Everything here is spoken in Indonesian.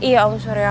iya om surya